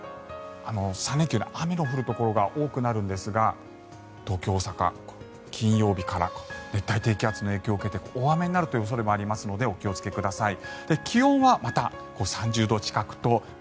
３連休は雨の降るところが多くなるんですが東京、大阪、金曜日から熱帯低気圧の影響を受けて大雨になるという恐れもありますのでお気をつけください。